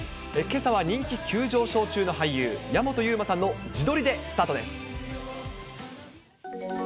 けさは人気急上昇中の俳優、矢本悠馬さんの自撮りでスタートです。